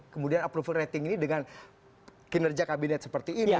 kemudian approval rating ini dengan kinerja kabinet seperti ini